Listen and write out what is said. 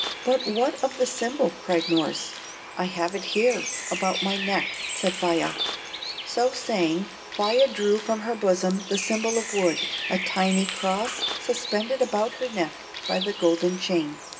"But what of the symbol?" cried Norss. "I have it here, about my neck," said Faia. So saying, Faia drew from her bosom the symbol of wood, a tiny cross suspended about her neck by the golden chain.